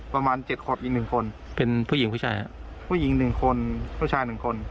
เป็นผู้หญิงผู้ชาย